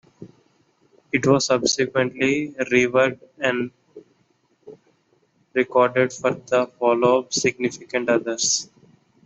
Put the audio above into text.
It was subsequently reworked and recorded for their followup, "Significant Other".